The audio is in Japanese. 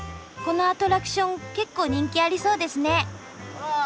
このアトラクション結構人気ありそうですね！